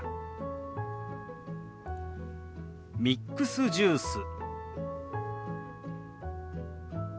「ミックスジュース」。